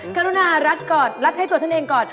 กรุณารัดก่อนรัดให้ตัวท่านเองก่อน